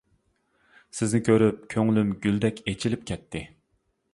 سىزنى كۆرۈپ كۆڭلۈم گۈلدەك ئېچىلىپ كەتتى.